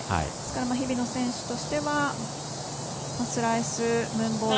日比野選手としてはスライス、ムーンボール